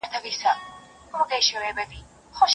کله یې کرښي لولم